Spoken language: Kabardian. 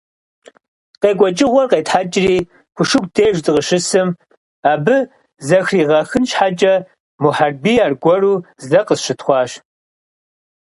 КъекӀуэкӀыгъуэр къетхьэкӀри, Кушыку деж дыкъыщысым, абы зэхригъэхын щхьэкӀэ, Мухьэрбий аргуэру зэ къысщытхъуащ.